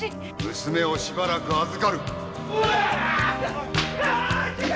娘をしばらく預かる。